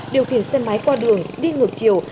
điều khiển xe máy qua đường đi ngược chiều